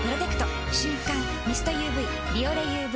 瞬感ミストＵＶ「ビオレＵＶ」